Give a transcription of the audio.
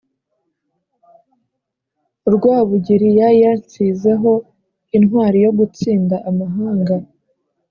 Rwabugiri yari yansizeho intwali yo gutsinda amahanga,